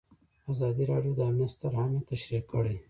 ازادي راډیو د امنیت ستر اهميت تشریح کړی.